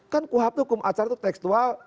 kan kuhp hukum acara itu tekstual